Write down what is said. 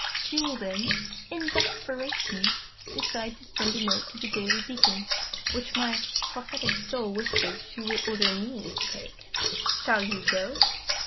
She will then, in desperation, decide to send a note to The Daily Beacon, which, my prophetic soul whispers, she will order me to take." "Shall you go?"